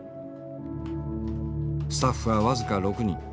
スタッフは僅か６人。